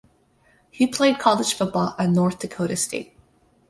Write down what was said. He played college football at North Dakota State.